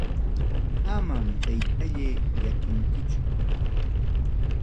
Amam taytallay llakinkichu.